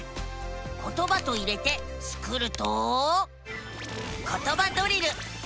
「ことば」と入れてスクると「ことばドリル」。